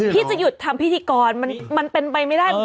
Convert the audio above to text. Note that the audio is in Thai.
พี่จะหยุดทำพิธีกรมันเป็นไปไม่น่าคือ๐